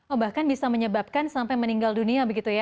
oh bahkan bisa menyebabkan sampai meninggal dunia begitu ya